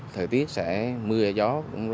thời tiết sẽ mưa gió